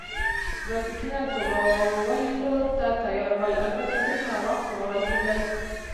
راکټونه، توغولو ته تیار ول، البته دوی هغه وخت توغول کېدل.